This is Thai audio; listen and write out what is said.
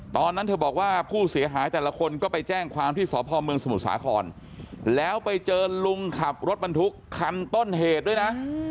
ตอนนั้นเธอบอกว่าผู้เสียหายแต่ละคนก็ไปแจ้งความที่สพเมืองสมุทรสาครแล้วไปเจอลุงขับรถบรรทุกคันต้นเหตุด้วยนะ